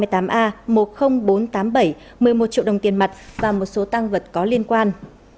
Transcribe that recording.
một mươi một triệu đồng tiền mặt và một số tăng vật có liên quan